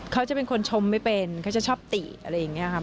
เขาจะเป็นคนชมไม่เป็นเขาจะชอบติอะไรอย่างนี้ค่ะ